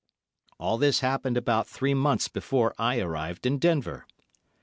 All this happened about three months before I arrived in Denver.